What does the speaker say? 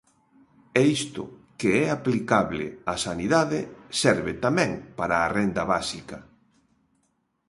E isto que é aplicable á sanidade serve tamén para a Renda Básica.